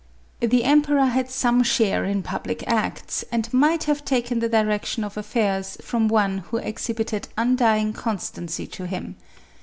The emperor had some share in public acts, and might have taken the direction of affairs from one who exhibited undying constancy to him.